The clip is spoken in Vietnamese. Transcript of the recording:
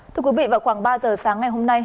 thưa quý vị vào khoảng ba giờ sáng ngày hôm nay